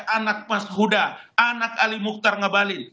anak mas huda anak ali mukhtar ngebalin